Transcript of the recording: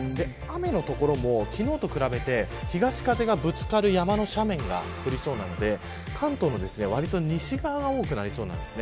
雨は昨日と比べて東風がぶつかる山の斜面が降りそうなので関東の西側が多くなりそうです。